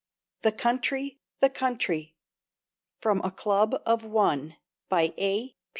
"THE COUNTRY, THE COUNTRY!" FROM A CLUB OF ONE, BY A.